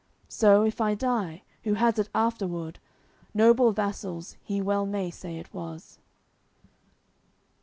So, if I die, who has it afterward Noble vassal's he well may say it was."